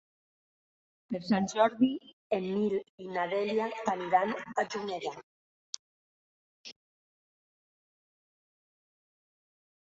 Per Sant Jordi en Nil i na Dèlia aniran a Juneda.